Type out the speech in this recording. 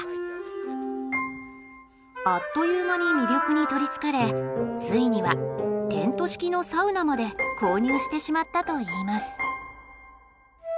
あっという間に魅力に取りつかれついにはテント式のサウナまで購入してしまったといいます。